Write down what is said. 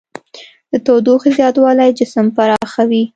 د تودوخې زیاتوالی جسم پراخوي.